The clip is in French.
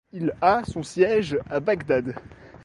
Il a son siège à Bagdad.